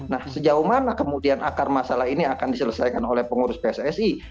nah sejauh mana kemudian akar masalah ini akan diselesaikan oleh pengurus pssi